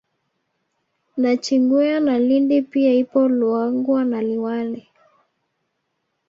Nachingwea na Lindi pia ipo Luangwa na Liwale